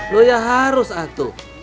loh ya harus atu